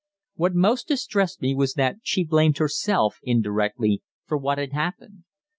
What most distressed me was that she blamed herself, indirectly, for what had happened.